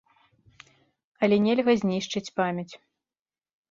Але нельга знішчыць памяць.